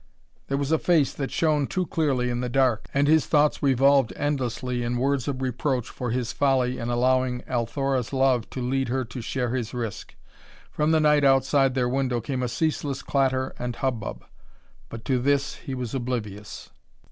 There was a face that shone too clearly in the dark, and his thoughts revolved endlessly in words of reproach for his folly in allowing Althora's love to lead her to share his risk. From the night outside their window came a ceaseless clatter and hubbub, but to this he was oblivious.